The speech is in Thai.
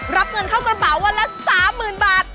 รับเงินเข้ากระเป๋าวันละ๓๐๐๐บาท